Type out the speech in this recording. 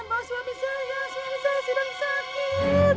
suami saya sedang sakit